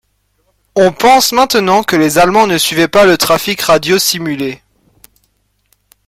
On pense maintenant que les Allemands ne suivaient pas le trafic radio simulé.